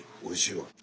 おいしいわ。